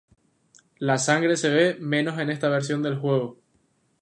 La sangre se ve menos en esta versión del juego.